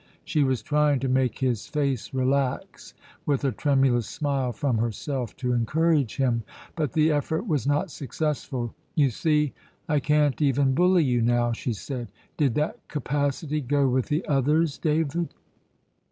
She was trying to make his face relax, with a tremulous smile from herself to encourage him; but the effort was not successful. "You see, I can't even bully you now!" she said. "Did that capacity go with the others, David?"